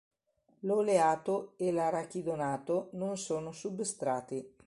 L'oleato e l'arachidonato non sono substrati.